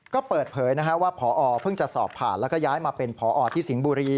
ก็เปิดเผยว่าพอเพิ่งจะสอบผ่านแล้วก็ย้ายมาเป็นพอที่สิงห์บุรี